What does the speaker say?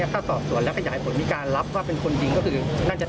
ถ้าสอบส่วนแล้วก็อยากให้ผลมีการรับว่าเป็นคนดิน